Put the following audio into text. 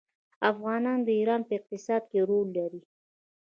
افغانان د ایران په اقتصاد کې رول لري.